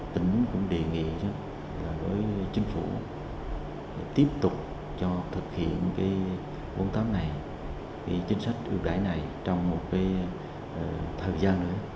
tỉnh cũng đề nghị với chính phủ tiếp tục cho thực hiện cái bốn mươi tám này chính sách ưu đại này trong một thời gian nữa